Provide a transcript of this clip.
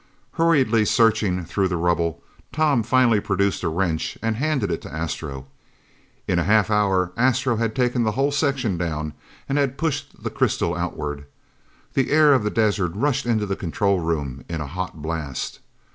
Hurriedly searching through the rubble, Tom finally produced a wrench and handed it to Astro. In a half hour Astro had taken the whole section down and had pushed the crystal outward. The air of the desert rushed into the control room in a hot blast.